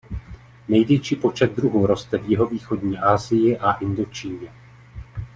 Největší počet druhů roste v jihovýchodní Asii a Indočíně.